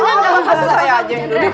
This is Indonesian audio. oh saya aja yang duduk